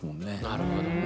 なるほど。